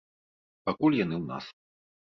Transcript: Пакуль яны ў нас.